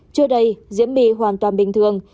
trưa đây diễm my hoàn toàn bình thường